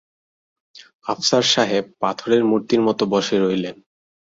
আফসার সাহেব পাথরের মূর্তির মতো বসে রইলেন।